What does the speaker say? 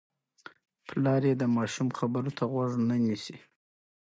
پلار یې د ماشوم خبرو ته غوږ نه نیسي.